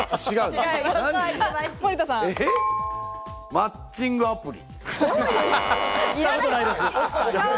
マッチングアプリ。